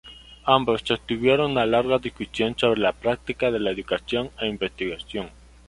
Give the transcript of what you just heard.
Ambos sostuvieron una larga discusión sobre la práctica de la educación e investigación.